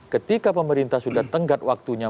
ketika pemerintah sudah tenggat waktunya